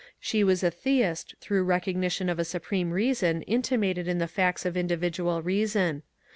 She was a Theist through recognition of a supreme Reason intimated in the facts of individual reason.